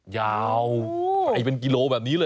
ยาวไปเป็นกิโลแบบนี้เลย